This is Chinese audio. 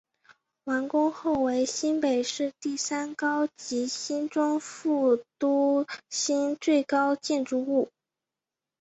完工后为新北市第三高及新庄副都心最高建筑物。